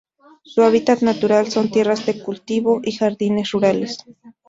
Su hábitat natural son: tierras de cultivo y jardines rurales.